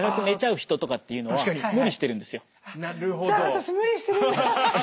じゃあ私無理してるんだ。